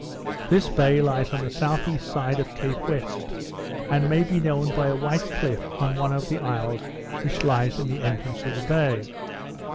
This bay lies on the S.E. side of Cape West, and may be known by a white cliff on one of the isles which lies in the entrance of the bay.